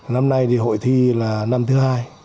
năm nay thì hội thi là năm thứ hai